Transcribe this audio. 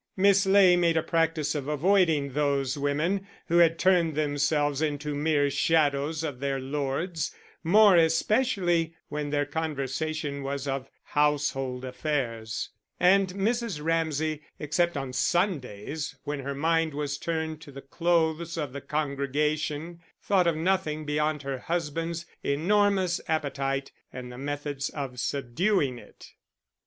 Miss Ley made a practice of avoiding those women who had turned themselves into mere shadows of their lords, more especially when their conversation was of household affairs; and Mrs. Ramsay, except on Sundays, when her mind was turned to the clothes of the congregation, thought of nothing beyond her husband's enormous appetite and the methods of subduing it.